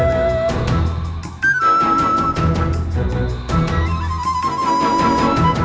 bisa lah lah pimpi